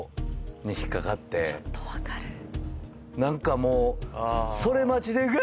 何かもう。